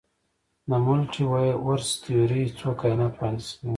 د ملټي ورس تیوري څو کائنات وړاندیز کوي.